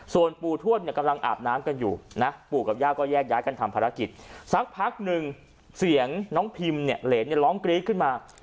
ส่วนปู่ทวดเนี่ยกำลังอาบน้ำกันอยู่นะปู่กับย่าก็แยกย้ายกันทำภารกิจสักพักหนึ่งเสียงน้องพิมเนี่ยเหรนเนี่ยร้องกรี๊ดขึ้นมา